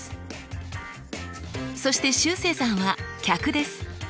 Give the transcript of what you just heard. そしてしゅうせいさんは客です。